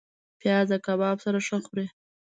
پیاز د کباب سره ښه خوري